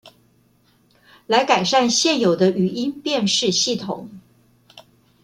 來改善現有的語音辨識系統